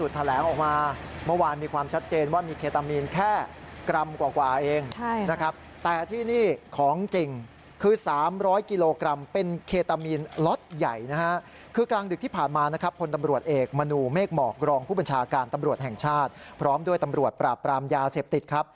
ที่ฉะเชิงเซากลายเป็นข่าวใหญ่ข่าวโตว่า